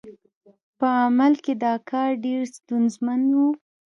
په عمل کې دا کار ډېر ستونزمن و.